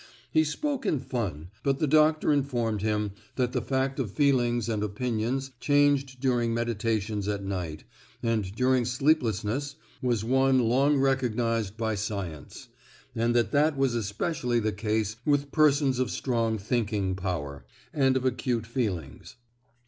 He spoke in fun, but the doctor informed him that the fact of feelings and opinions changing during meditations at night, and during sleeplessness, was one long recognised by science; and that that was especially the case with persons of strong thinking power, and of acute feelings.